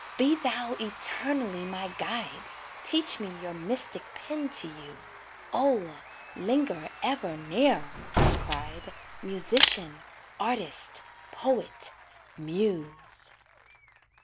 "Be thou eternally my guide, Teach me your mystic pen to use! O! linger ever near," I cried, "Musician, artist, poet muse!"